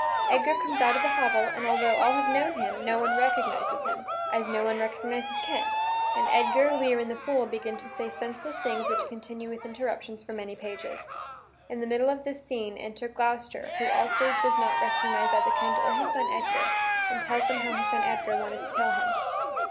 Edgar comes out of the hovel, and, altho all have known him, no one recognizes him, as no one recognizes Kent, and Edgar, Lear, and the fool begin to say senseless things which continue with interruptions for many pages. In the middle of this scene, enter Gloucester, who also does not recognize either Kent or his son Edgar, and tells them how his son Edgar wanted to kill him.